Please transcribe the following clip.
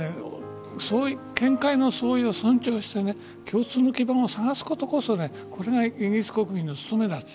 見解の相違を尊重して共通のものをさらすことこそそれがイギリス国民の務めだと。